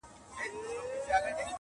چي ژوندی یم زما به یاد يې میرهاشمه,